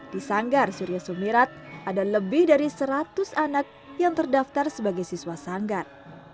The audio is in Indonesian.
di sanggar surya sumirat ada lebih dari seratus anak yang terdaftar sebagai siswa sanggar